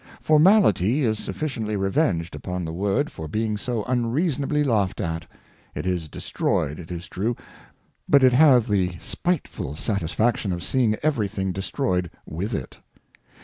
Formality is sufficiently revenged upon the World for being so unreasonably laughed at ; it is destroyed it is true, but it hath the spiteful Satisfaction of seeing every thing destroyed vrith it.